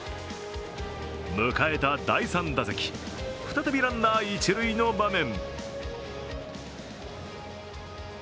迎えた第３打席、再びランナー一塁の場面。